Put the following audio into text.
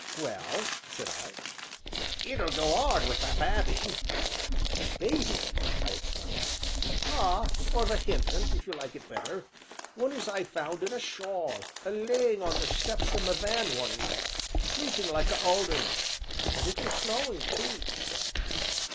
"Well?" said I. "It'll go 'ard with the babby." "Baby!" I exclaimed. "Ah! or the hinfant, if you like it better one as I found in a shawl, a laying on the steps o' my van one night, sleeping like a alderman and it were snowing too."